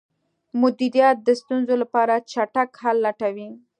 مدیریت د ستونزو لپاره چټک حل لټوي.